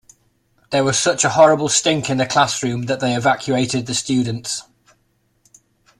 There was such a horrible stink in the classroom that they evacuated the students.